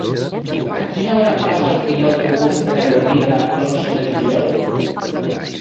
A quina hora passa el primer autobús per Aiguaviva l'onze de juliol?